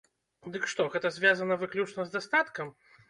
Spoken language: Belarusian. Дык што, гэта звязана выключна з дастаткам?